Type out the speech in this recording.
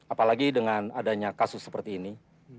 apalagi dengan adanya kasus seperti ini